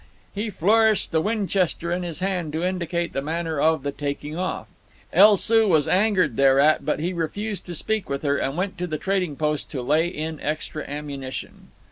He flourished the Winchester in his hand to indicate the manner of the taking off. El Soo was angered thereat; but he refused to speak with her, and went to the trading post to lay in extra ammunition.